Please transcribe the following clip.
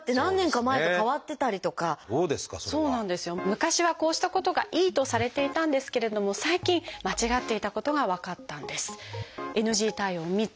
昔はこうしたことがいいとされていたんですけれども最近間違っていたことが分かったんです。